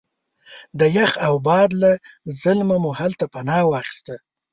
د یخ او باد له ظلمه مو هلته پناه واخسته.